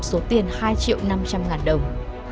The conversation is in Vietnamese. số tiền hai triệu năm trăm linh ngàn đồng